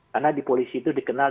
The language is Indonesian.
karena di polisi itu dikenal